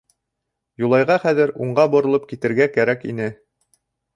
Юлайға хәҙер уңға боролоп китергә кәрәк ине.